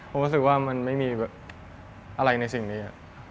ผมรู้สึกว่ามันไม่มีอะไรในสิ่งนี้